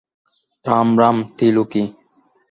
Ram Ram, Triloki.